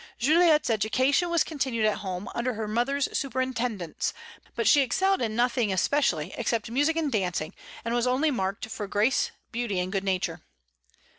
Juliette's education was continued at home, under her mother's superintendence; but she excelled in nothing especially except music and dancing, and was only marked for grace, beauty, and good nature.